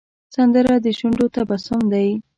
سندره د شونډو تبسم دی